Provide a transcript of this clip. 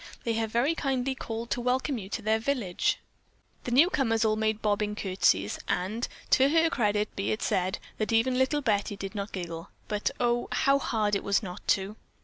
They have very kindly called to welcome you to their village." The newcomers all made bobbing curtsies, and, to her credit be it said, that even little Betty did not giggle, but oh, how hard it was not to.